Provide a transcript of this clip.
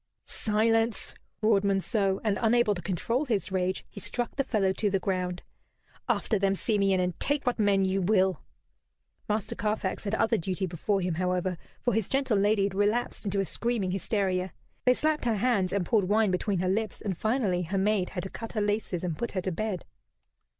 "Silence!" roared Monceux; and, unable to control his rage, he struck the fellow to the ground. "After them, Simeon, and take what men you will." Master Carfax had other duty before him, however, for his gentle lady had relapsed into a screaming hysteria. They slapped her hands and poured wine between her lips, and finally her maids had to cut her laces and put her to bed.